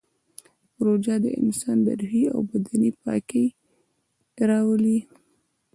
روژه د انسان روحي او بدني پاکي راولي